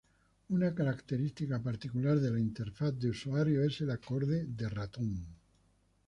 Una característica particular de la interfaz de usuario es el acorde de ratón.